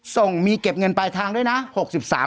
ส่งมีเก็บเงินปลายทางด้วยนะ